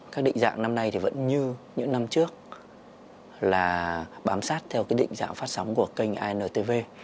các định dạng năm nay thì vẫn như những năm trước là bám sát theo cái định dạng phát sóng của kênh intv